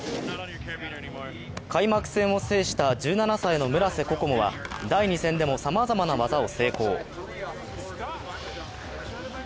開幕戦を制した１７歳の村瀬心椛は第２戦でもさまざまな技を成功。